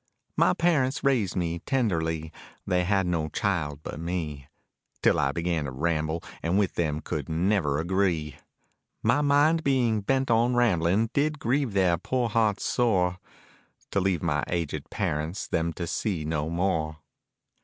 My parents raised me tenderly, they had no child but me, Till I began to ramble and with them could never agree. My mind being bent on rambling did grieve their poor hearts sore, To leave my aged parents them to see no more.